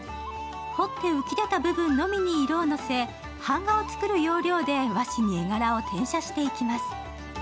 彫って浮き出た部分にのみ色を乗せ、版画を作る要領で和紙に絵柄を転写していきます。